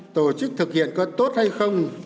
tổ chức thực hiện có tốt hay không